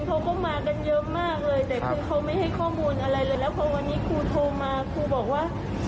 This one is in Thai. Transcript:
แล้วพอวันนี้ครูโทรมาครูบอกว่า